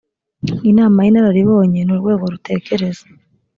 inama y inararibonye ni urwego rutekereza